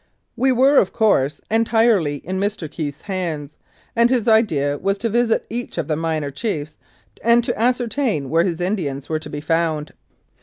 We were, of course, entirely in Mr. Keith's hands, and his idea was to visit each of the minor chiefs and to ascer tain where his Indians were to be found.